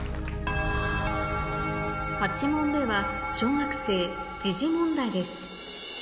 ８問目は小学生時事問題です